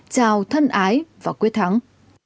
chào thân ái và quyết thắng